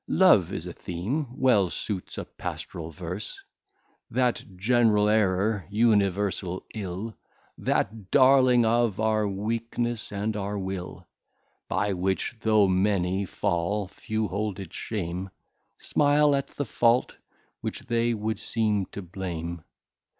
Love is a Theme well sutes a Past'ral Verse, That gen'ral Error, Universal Ill, That Darling of our Weakness and our Will; By which though many fall, few hold it shame; Smile at the Fault, which they would seem to blame.